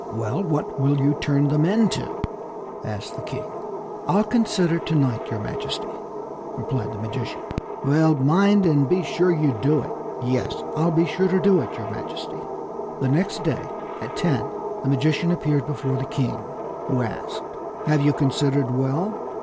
" Well, what will you turn them into ?" asked the king. " I'll consider to night, your majesty," replied the magician. " Well, mind and be sure to do it." " Yes, I'll be sure to do it, your majesty." The next day, at ten, the magician appeared before the king, who asked :" Have you considered well